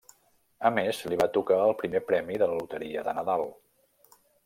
A més, li va tocar el primer premi de la loteria de nadal.